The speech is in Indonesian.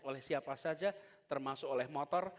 oleh siapa saja termasuk oleh motor